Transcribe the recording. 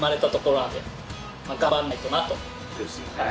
はい。